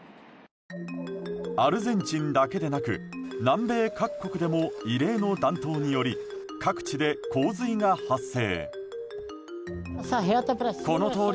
アルゼンチンだけでなく南米各国でも異例の暖冬により各地で洪水が発生。